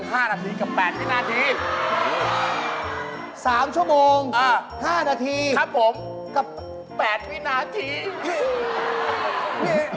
หน้าอันเป้าะเวลาแฟนเดียวแบบนี้